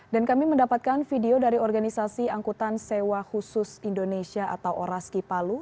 dan kami mendapatkan video dari organisasi angkutan sewa khusus indonesia atau oraski palu